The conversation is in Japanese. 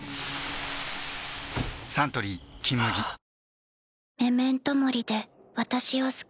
サントリー「金麦」よしっ！